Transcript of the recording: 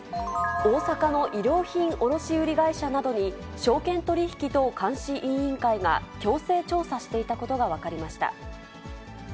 大阪の衣料品卸売り会社などに、証券取引等監視委員会が強制調査していたことが分かりました。